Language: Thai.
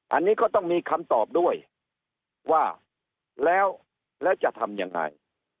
อันนี้ก็ต้องมีคำตอบด้วยว่าแล้วจะทำยังไง